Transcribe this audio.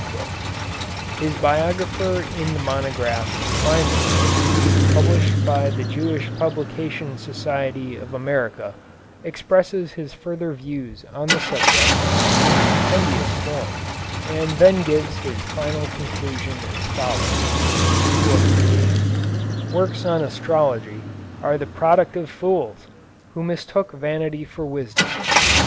His biographer in the monograph "Maimonides," published by the Jewish Publication Society of America, expresses his further views on the subject in compendious form, and then gives his final conclusion as follows: "'Works on astrology are the product of fools, who mistook vanity for wisdom.